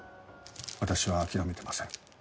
私は諦めてません。